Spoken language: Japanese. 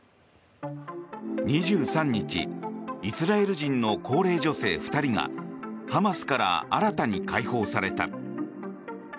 ２３日イスラエル人の高齢女性２人がハマスから新たに解放された。